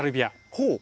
ほう。